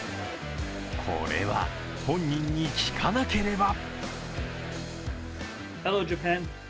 これは本人に聞かなければ。